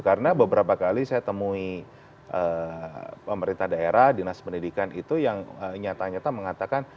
karena beberapa kali saya temui pemerintah daerah dinas pendidikan itu yang nyata nyata mengatakan